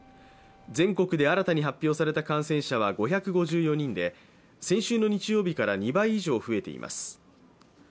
全国で新たに発表された感染者は５５４人で先週の日曜日から２倍以上増えています。